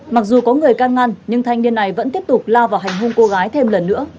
mặc dù có người can ngăn nhưng thanh niên này vẫn tiếp tục lao vào hành hung cô gái thêm lần nữa